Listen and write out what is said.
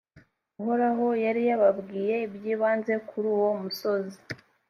uhoraho yari yababwiye ibyibanze kuri uwo musozi